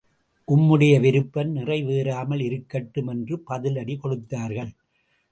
உம்முடைய விருப்பம் நிறைவேறாமல் இருக்கட்டும்! என்று பதிலடி கொடுத்தார்கள்.